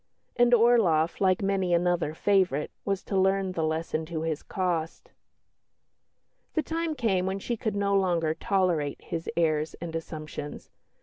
And Orloff, like many another favourite, was to learn the lesson to his cost. The time came when she could no longer tolerate his airs and assumptions.